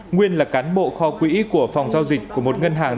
nguyên là cán bộ kho quỹ của phòng giao dịch của một ngân hàng